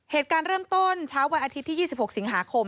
เหตุการณ์เริ่มต้นเช้าวันอาทิตย์ที่๒๖สิงหาคม